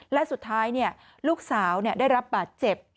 และสุดท้ายลูกสาวได้รับบาดเจ็บ